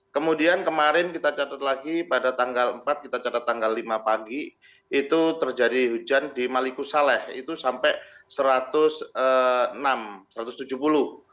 kemudian kemarin kita catat lagi pada tanggal empat kita catat tanggal lima pagi itu terjadi hujan di maliku saleh itu sampai satu ratus enam satu ratus tujuh puluh